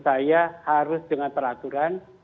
saya harus dengan peraturan